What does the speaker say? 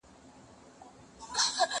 کېدای سي کتابونه ستړي وي.